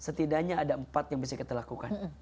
setidaknya ada empat yang bisa kita lakukan